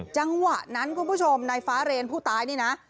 จังหวะนั้นคุณผู้ชมนายฟ้าเรนผู้ตายนี่นะ